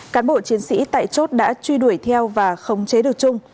cán bộ chiến sĩ tại chốt đã truy đuổi theo và khống chế được trung